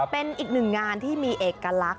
เป็นอีกหนึ่งงานที่มีเอกลักษณ